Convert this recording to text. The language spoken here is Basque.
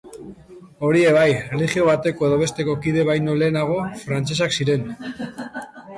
Horiek bai, erlijio bateko edo besteko kide baino lehenago, frantsesak ziren.